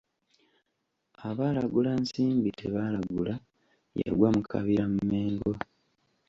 Abaalagula Nsimbi tebaalagula, Yagwa mu Kabira Mmengo.